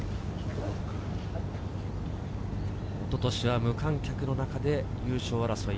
一昨年は無観客の中で優勝争い。